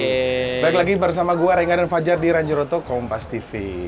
kembali lagi bersama gue renggan dan fajar di ranjiroto kompastv